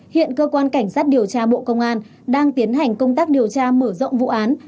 hiện cơ quan cảnh sát điều tra bộ công an đang tiến hành công tác điều tra mở rộng vụ án